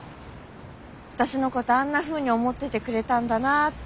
私のことあんなふうに思っててくれたんだなあって。